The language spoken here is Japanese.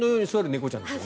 猫ちゃんです。